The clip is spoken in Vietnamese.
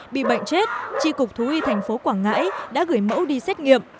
bị bệnh chết tri cục thú y tp quảng ngãi đã gửi mẫu đi xét nghiệm